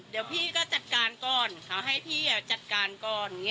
เดี๋ยวพี่ก็จัดการก่อนค่ะให้พี่จัดการก่อน